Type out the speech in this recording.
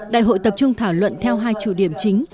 đại hội tập trung thảo luận theo hai chủ điểm chính